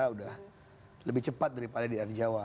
sudah lebih cepat daripada di air jawa